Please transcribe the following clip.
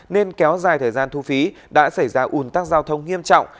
nên kéo dài thời gian thu phí đã xảy ra ủn tắc giao thông nghiêm trọng